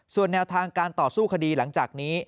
ส่วนแนวทางการต่อสู้คดีหลังจากนี้